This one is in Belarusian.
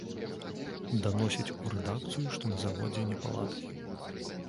Даносіць у рэдакцыю, што на заводзе непаладкі.